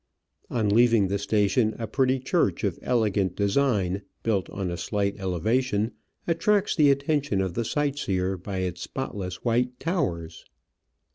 On leaving the station a pretty church of elegant design, built on a slight elevation, attracts the attention of the sightseer by its spotless white towers.